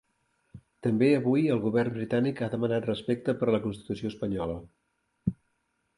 També avui el govern britànic ha demanat respecte per la constitució espanyola.